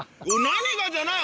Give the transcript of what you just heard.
何がじゃない！